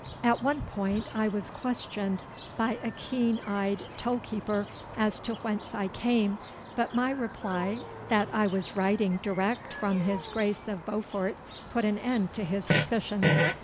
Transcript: At one point I was questioned by a keen eyed toll keeper as to whence I came, but my reply that I was riding direct from his Grace of Beaufort put an end to his suspicions.